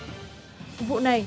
vụ này tôi cũng gặp phải